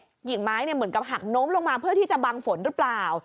หญิงไม้เหมือนกับหักโน้มลงมาเพื่อที่จะบังฝนหรือเปล่า